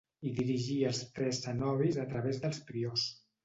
Hi dirigia els tres cenobis a través dels priors.